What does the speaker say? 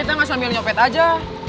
kenapa kita gak sambil nyopet aja